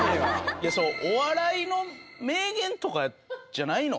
いやそのお笑いの名言とかじゃないの？